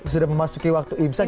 sudah memasuki waktu ibsak